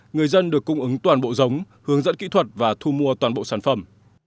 người dân được cung ứng toàn bộ giống hướng dẫn kỹ thuật và thu mua toàn bộ sản phẩm